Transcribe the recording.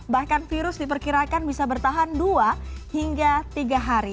bahkan virus diperkirakan bisa bertahan dua hingga tiga hari